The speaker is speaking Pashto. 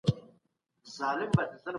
تاسي ولي په دغه غونډې کي نه سواست؟